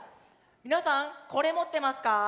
みなさんこれもってますか？